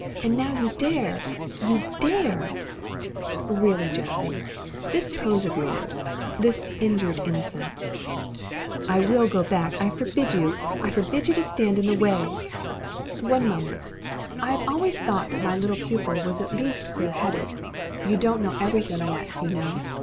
And now you dare you dare " "Really, Jessie, this pose of yours, this injured innocence " "I will go back. I forbid you I forbid you to stand in the way " "One moment. I have always thought that my little pupil was at least clear headed. You don't know everything yet, you know.